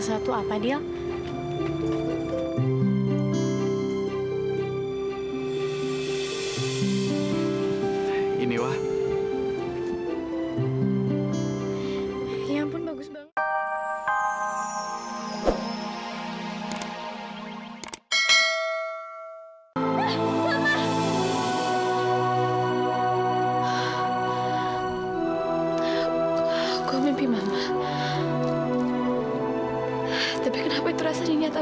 sampai jumpa di video selanjutnya